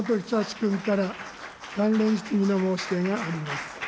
君から関連質疑の申し出があります。